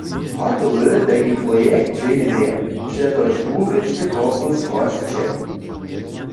Hotowy tajki projekt ženje njeje, přetož dwurěčny korpus rosće.